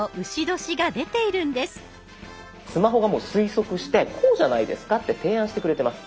スマホがもう推測してこうじゃないですかって提案してくれてます。